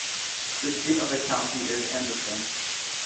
The seat of the county is Anderson.